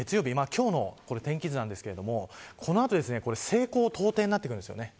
今日の天気図なんですけどこの後、西高東低になってくるんですよね。